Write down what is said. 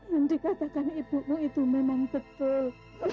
yang dikatakan ibumu itu memang betul